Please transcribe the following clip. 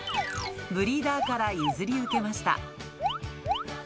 ブリーダーから譲り受けました。